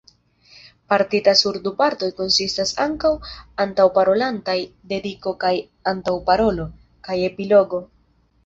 Partita sur du partoj konsistas ankaŭ antaŭparolantaj dediko kaj antaŭparolo, kaj epilogo.